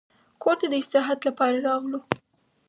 کور ته د استراحت لپاره راغلو.